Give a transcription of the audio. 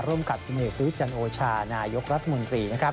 ร่วมกับพนประยุทธ์จันโอชานายกรัฐมนตรี